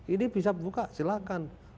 ini bisa buka silahkan